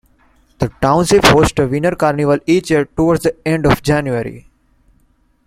The Township hosts a Winter Carnival each year toward the end of January.